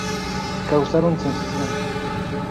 Causaron sensación.